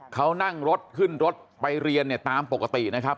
เขานั่งรถขึ้นรถไปเรียนเนี่ยตามปกตินะครับ